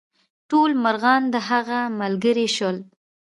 ټول مرغان د هغه ملګري شول.